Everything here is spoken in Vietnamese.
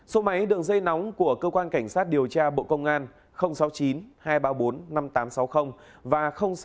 số máy đường dây nóng của cơ quan cảnh sát điều tra bộ công an sáu mươi chín hai trăm ba mươi bốn năm nghìn tám trăm sáu mươi và sáu mươi chín hai trăm ba mươi hai một nghìn sáu trăm bảy